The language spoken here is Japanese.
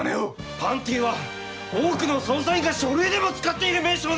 「パンティ」は多くの捜査員が書類でも使っている名称です！